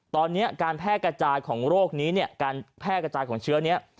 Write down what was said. ตอนนี้การแพร่กระจายของโรคนี้เนี่ยการแพร่กระจายของเชื้อนี้